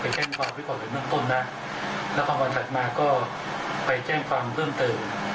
ไปแจ้งความภิกษฐภัณฑ์ในเมืองต้นนะแล้วพอวันถัดมาก็ไปแจ้งความเพิ่มเติม